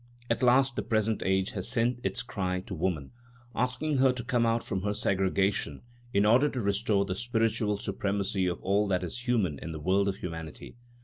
At last the present age has sent its cry to woman, asking her to come out from her segregation in order to restore the spiritual supremacy of all that is human in the world of humanity.